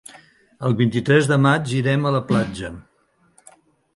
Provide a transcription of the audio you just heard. El vint-i-tres de maig irem a la platja.